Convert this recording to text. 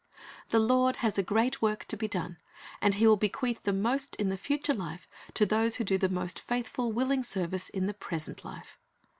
The Lord has a great work to be done, and He will bequeath the most in the future life to those who do the most faithful, willing service in the present life.